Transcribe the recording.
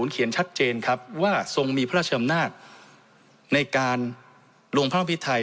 ๔๐๕๐เขียนชัดเจนครับว่าทรงมีพระราชนาธิในการโรงพระมพิธัย